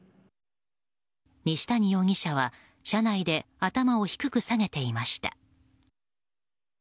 西谷容疑者は、車内で頭を低く下げていました。